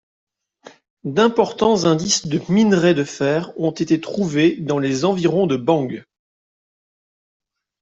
D'importants indices de minerai de fer ont été trouvés dans les environs de Bang.